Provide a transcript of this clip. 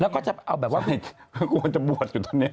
เขาก็จะบวชอยู่ตรงนี้